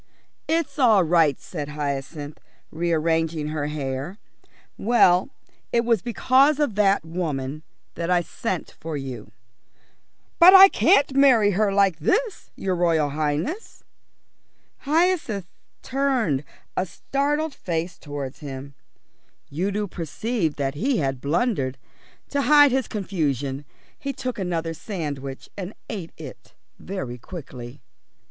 "It's all right," said Hyacinth, rearranging her hair. "Well, it was because of that woman that I sent for you." "But I can't marry her like this, your Royal Highness." Hyacinth turned a startled face towards him. Udo perceived that he had blundered. To hide his confusion he took another sandwich and ate it very quickly.